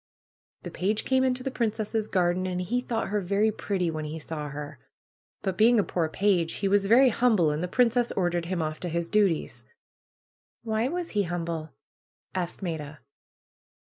^^The page came into the princess' garden and he thought her very pretty when he saw her. But being a poor page he was very humble and the princess ordered him off to his duties.'^ ^^Why was he humble ?" asked Maida.